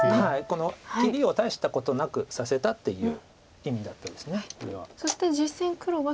この切りを大したことなくさせたっていう意味だったんですこれは。